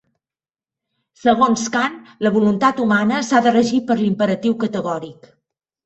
Segons Kant, la voluntat humana s'ha de regir per l'imperatiu categòric.